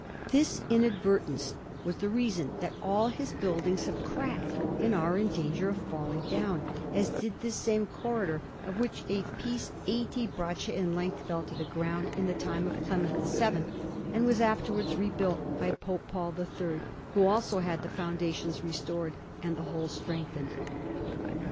This inadvertence was the reason that all his buildings have cracked, and are in danger of falling down, as did this same corridor, of which a piece eighty braccia in length fell to the ground in the time of Clement VII, and was afterwards rebuilt by Pope Paul III, who also had the foundations restored and the whole strengthened.